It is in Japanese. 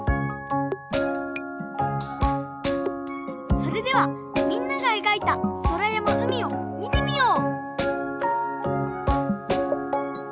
それではみんながえがいたそらやまうみをみてみよう！